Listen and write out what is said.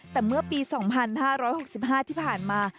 แต่เมื่อปี๒๕๖๕ที่ผ่านมา